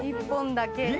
１本だけ。